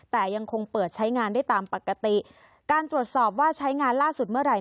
แต่ยังคงเปิดใช้งานได้ตามปกติการตรวจสอบว่าใช้งานล่าสุดเมื่อไหร่